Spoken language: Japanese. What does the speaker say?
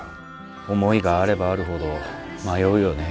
思いがあればあるほど迷うよね。